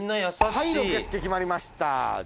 はいロケスケ決まりました。